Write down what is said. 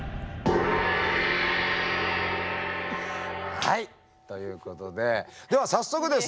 はいということででは早速ですね